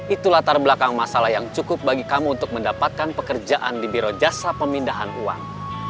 itu latar belakang masalah yang cukup bagi kamu untuk mendapatkan pekerjaan di biro jasa pemindahan uang